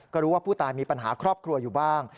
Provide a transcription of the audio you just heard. ก็รู้ว่าผู้ตายมีปัญหาครอบครัวอยู่บ้าง